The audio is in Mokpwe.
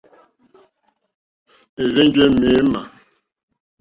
É rzènjé ŋmémà.